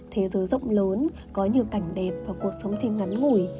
thế giới rộng lớn có nhiều cảnh đẹp và cuộc sống thêm ngắn ngủi